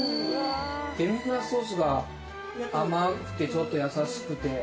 デミグラスソースが甘くてちょっとやさしくて。